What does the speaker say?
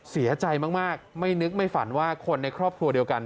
เสียใจมากไม่นึกไม่ฝันว่าคนในครอบครัวเดียวกัน